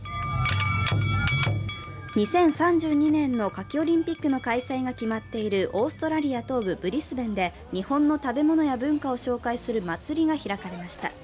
２０３２年の夏季オリンピックの開催が決まっているオーストラリア東部ブリスベンで日本の食べ物や文化を紹介する祭りが開かれました。